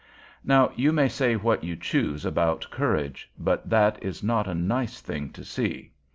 Now you may say what you choose about courage, but that is not a nice thing to see.